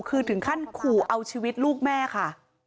คือถึงขั้นขู่เอาชีวิตลูกแม่ค่ะ